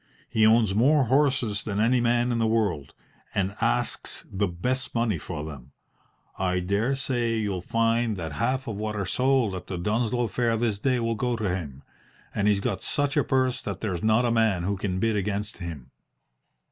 He owns more horses than any man in the world, and asks the best money for them. I dare say you'll find that half of what are sold at the Dunsloe fair this day will go to him, and he's got such a purse that there's not a man who can bid against him."